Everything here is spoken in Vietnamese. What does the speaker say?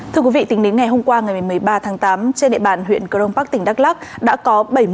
thưa quý vị tính đến ngày hôm qua ngày một mươi ba tháng tám trên địa bàn huyện crong park tỉnh đắk lắc đã có bảy mươi ca nhiễm covid một mươi chín